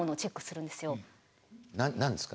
何何ですか？